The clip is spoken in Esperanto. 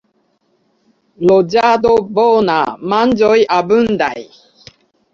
Loĝado bona, manĝoj abundaj.